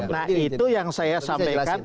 nah itu yang saya sampaikan